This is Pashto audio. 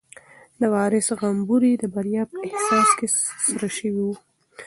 د وارث غومبوري د بریا په احساس کې سره شوي وو.